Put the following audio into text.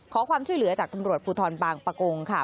ขอความช่วยเหลือจากตำรวจภูทรบางปะโกงค่ะ